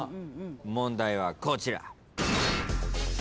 問題はこちら。